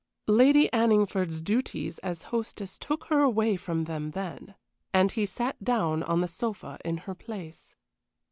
Lady Anningford's duties as hostess took her away from them then, and he sat down on the sofa in her place.